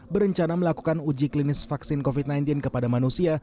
berencana melakukan uji klinis vaksin covid sembilan belas kepada manusia